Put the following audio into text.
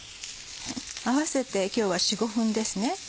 合わせて今日は４５分ですね。